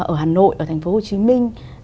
ở hà nội ở thành phố hồ chí minh